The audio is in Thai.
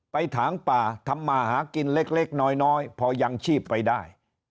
ถางป่าทำมาหากินเล็กน้อยพอยังชีพไปได้